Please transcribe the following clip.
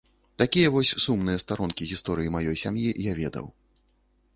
Такія вось сумныя старонкі гісторыі маёй сям'і я ведаў.